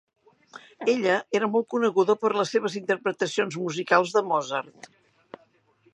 Ella era molt coneguda per les seves interpretacions musicals de Mozart.